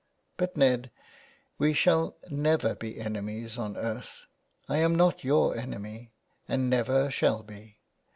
But, Ned, we shall never be enemies on earth. I am not your enemy, and never shall be.